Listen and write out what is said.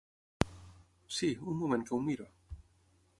Sí, un moment que ho miro.